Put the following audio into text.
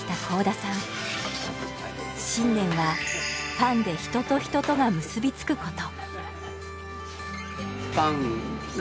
信念はパンで人と人とが結びつくこと。